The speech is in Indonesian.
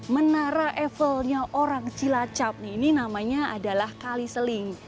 menara evelnya orang cilacap ini namanya adalah kali seling